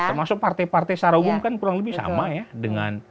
termasuk partai partai secara umum kan kurang lebih sama ya dengan